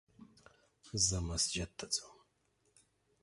زه مسجد ته ځم